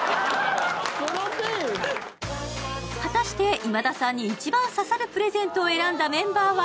果たして、今田さんに一番刺さるプレゼントを選んだメンバーは？